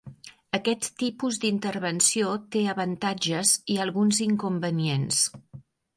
Aquest tipus d'intervenció té avantatges i alguns inconvenients.